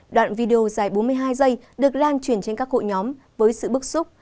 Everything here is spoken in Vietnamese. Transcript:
đoạn video dài bốn mươi hai giây được lan truyền trên các hội nhóm với sự bức xúc